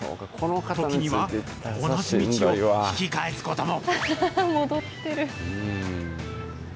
時には同じ道を引き返すことも。